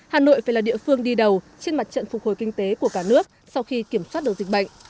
hà nội phải là địa phương đi đầu trên mặt trận phục hồi kinh tế của cả nước sau khi kiểm soát được dịch bệnh